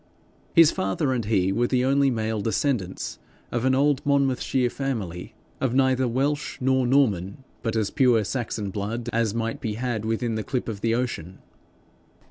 His father and he were the only male descendants of an old Monmouthshire family, of neither Welsh nor Norman, but as pure Saxon blood as might be had within the clip of the ocean.